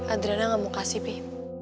adriana gak mau kasih deh